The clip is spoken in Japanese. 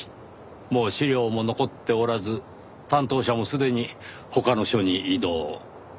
もう資料も残っておらず担当者もすでに他の署に異動。